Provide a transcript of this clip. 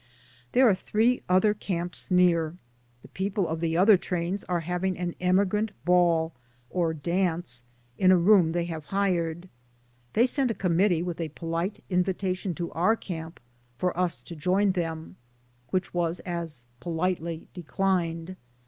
There are three other camps near, the people of the other trains are having an emi 70 DAYS ON THE ROAD. grant ball, or dance, in a room they have hired. They sent a committee with a polite invitation to our camp for us to join them, which was as politely declined.